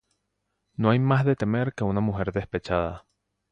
No hay mas de temer que una mujer despechada.